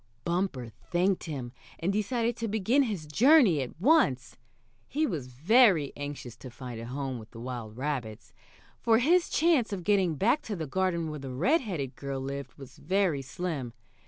Bumper thanked him, and decided to begin his journey at once. He was very anxious to find a home with the wild rabbits, for his chance of getting back to the garden where the red headed girl lived was very slim.